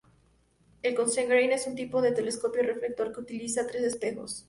El Cassegrain es un tipo de telescopio reflector que utiliza tres espejos.